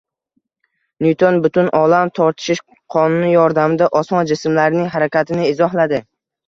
Nyuton butun olam tortishish qonuni yordamida osmon jismlarining harakatini izohladi